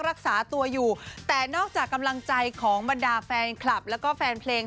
รักษาตัวอยู่แต่นอกจากกำลังใจของบรรดาแฟนคลับแล้วก็แฟนเพลง